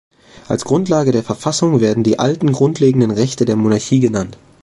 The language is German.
Als Grundlage der Verfassung werden die alten grundlegenden Rechte der Monarchie genannt.